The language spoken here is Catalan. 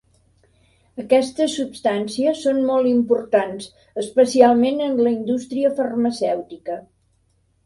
Aquestes substàncies són molt importants especialment en la indústria farmacèutica.